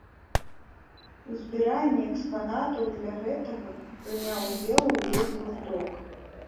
У збіранні экспанатаў для гэтага прыняў удзел увесь гурток.